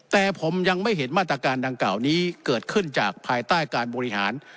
แต่ผมยังไม่เห็นมาตรการดังกล่าวนี้เกิดขึ้นจากภายใต้การบริหาร